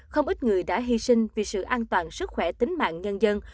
không ít người đã hy sinh vì sự an toàn sức khỏe tính mạng nhân dân